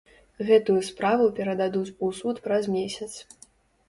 Гэтую справу перададуць у суд праз месяц.